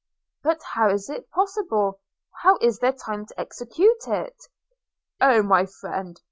'But how is it possible? How is there time to execute it?' 'Oh, my friend!